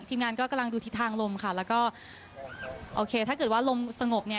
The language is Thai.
งานก็กำลังดูทิศทางลมค่ะแล้วก็โอเคถ้าเกิดว่าลมสงบเนี่ย